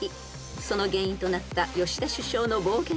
［その原因となった吉田首相の暴言とは何でしょう？］